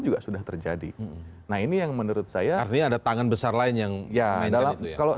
juga sudah terjadi nah ini yang menurut saya artinya ada tangan besar lain yang ya dalam kalau